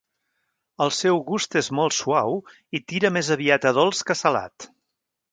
El seu gust és molt suau i tira més aviat a dolç que a salat.